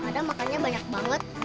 mada makannya banyak banget